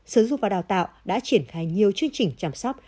sở dục và đào tạo đã triển khai nhiều chương trình chăm sóc